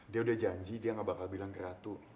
dia udah janji dia gak bakal bilang ke ratu